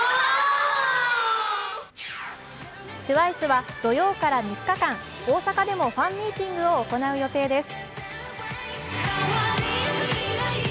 ＴＷＩＣＥは土曜日から３日間、大阪でもファンミーティングを行う予定です。